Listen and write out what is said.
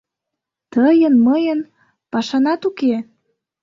Тыйын-мыйын пашанат уке!